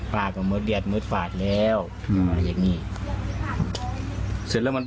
จนก็มันอีกละก็ลองลื่น